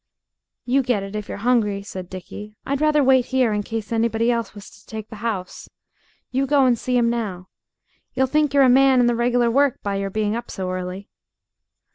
"You get it if you're hungry," said Dickie. "I'd rather wait here in case anybody else was to take the house. You go and see 'im now. 'E'll think you're a man in reg'lar work by your being up so early."